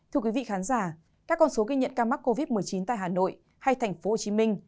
thưa quý vị khán giả các con số ghi nhận ca mắc covid một mươi chín tại hà nội hay thành phố hồ chí minh